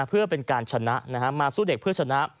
เพื่อเป็นการชนะมาสู้เด็กเพื่อชนะ